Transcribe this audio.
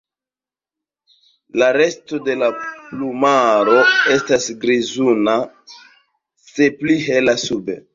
La resto de la plumaro estas grizbruna, se pli hela sube.